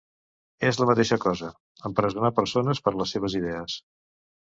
És la mateixa cosa: empresonar persones per les seves idees.